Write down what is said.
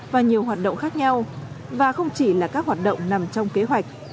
và nhiều hoạt động khác nhau và không chỉ là các hoạt động nằm trong kế hoạch